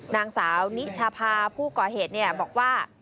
นางสาวนิชาพาผู้ก่อเหตุบอกว่า